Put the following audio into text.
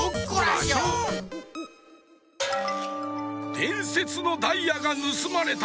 でんせつのダイヤがぬすまれた！